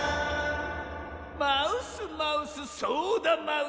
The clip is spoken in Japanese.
マウスマウスそうだマウス。